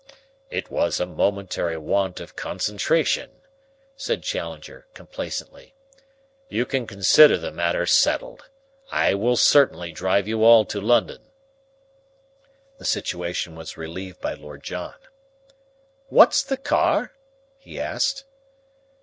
"It was a momentary want of concentration," said Challenger complacently. "You can consider the matter settled. I will certainly drive you all to London." The situation was relieved by Lord John. "What's the car?" he asked.